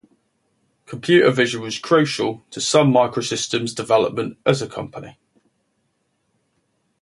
Computervision was crucial to Sun Microsystems development as a company.